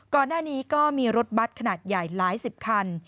ก่อนหน้านี้ก็มีรถบัตรขนาดใหญ่หลายสิบคัน